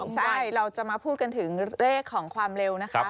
ใช่เราจะมาพูดกันถึงเลขของความเร็วนะคะ